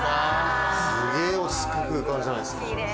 すげぇ落ち着く空間じゃないですか。